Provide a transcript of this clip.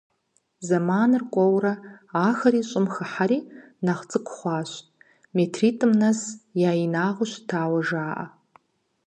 Зэманыр кӀуэурэ ахэри щӀым хыхьэри нэхъ цӀыкӀу хъуащ, метритӀым нэс я инагъыу щытауэ жаӀэ.